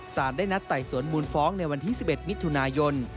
สารได้นัดไต่สวนมูลฟ้องในวันที่๑๑มิถุนายน